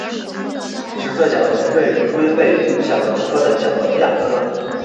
史色甲龙被归类于甲龙科的甲龙亚科。